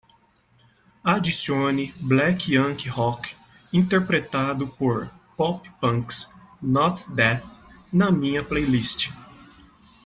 adicione Black Yankee Rock interpretado por Pop Punk's Not Dead na minha playlist